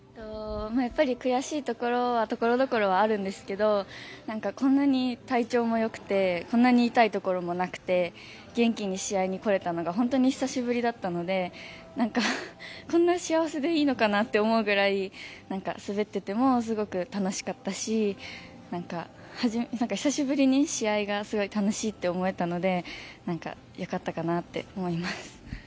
やっぱり悔しいところは所々はあるんですけどこんなに体調もよくてこんなに痛いところもなくて元気に試合に来れたのが本当に久しぶりだったのでこんな幸せでいいのかなって思うぐらい滑っててもすごく楽しかったし久しぶりに試合がすごい楽しいって思えたのでよかったかなと思います。